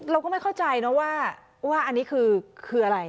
เราก็ไม่เข้าใจนะว่าอันนี้คืออะไร